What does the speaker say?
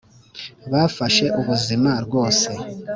bafashe ubuzima rwose.